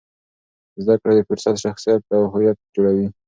زده کړه د فرد شخصیت او هویت جوړوي.